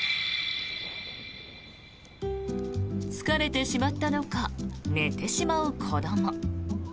疲れてしまったのか寝てしまう子ども。